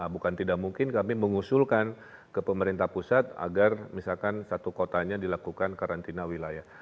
bukan tidak mungkin kami mengusulkan ke pemerintah pusat agar misalkan satu kotanya dilakukan karantina wilayah